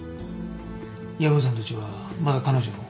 山さんたちはまだ彼女を？